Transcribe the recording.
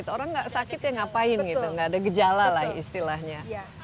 tidak ada rasa sakit orang sakit ya ngapain gitu enggak ada gejala lah istilahnya